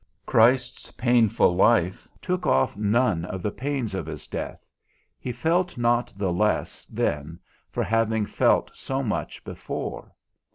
Christ's painful life took off none of the pains of his death, he felt not the less then for having felt so much before.